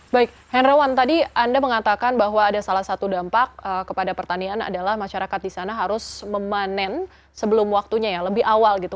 baik henrawan tadi anda mengatakan bahwa ada salah satu dampak kepada pertanian adalah masyarakat di sana harus memanen sebelum waktunya ya lebih awal gitu